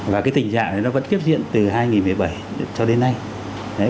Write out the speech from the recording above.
và cái tình trạng này nó vẫn tiếp diễn từ hai nghìn một mươi bảy cho đến nay